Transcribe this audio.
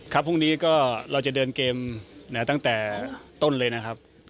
พรุ่งนี้ก็เราจะเดินเกมตั้งแต่ต้นเลยนะครับ